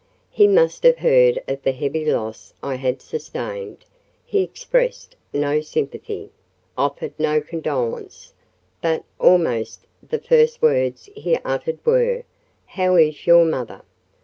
He must have heard of the heavy loss I had sustained: he expressed no sympathy, offered no condolence: but almost the first words he uttered were,—"How is your mother?"